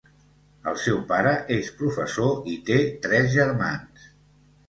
El seu pare és professor i té tres germans.